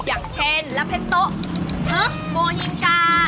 อย่างเช่นลาเพ็ตโตโมฮิมกาอะไรอย่างนี้